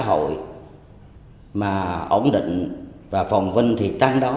bởi vì một cái xã hội mà ổn định và phòng vinh thì tăng đó